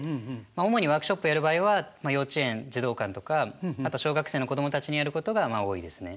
主にワークショップやる場合は幼稚園児童館とかあとは小学生の子供たちにやることが多いですね。